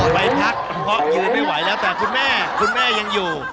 เพราะยืนไม่ไหวแล้วแต่คุณแม่ยังอยู่